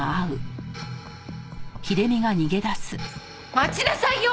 待ちなさいよ！